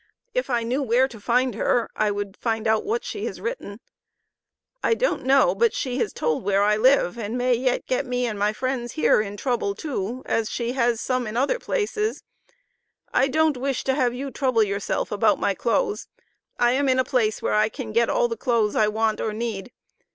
If I knew where to find her I would find out what she has written. I don't know but she has told where I live, and may yet get me and my friends here, in trouble too, as she has some in other places. I don't wish to have you trouble yourself about my clothes, I am in a place where I can get all the clothes I want or need.